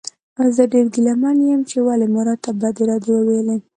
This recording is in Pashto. زه ډېر ګیله من یم چې ولې مو راته بدې ردې وویلې.